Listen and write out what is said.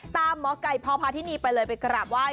หมอไก่พอพาทินีไปเลยไปกราบไหว้